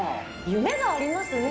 夢がありますね。